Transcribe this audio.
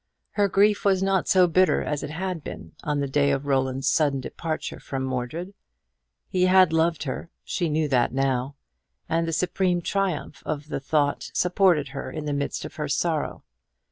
Her grief was not so bitter as it had been on the day of Roland's sudden departure from Mordred. He had loved her she knew that now; and the supreme triumph of that thought supported her in the midst of her sorrow.